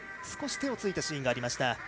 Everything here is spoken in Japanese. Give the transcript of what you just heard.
少し手をついたシーンがありました。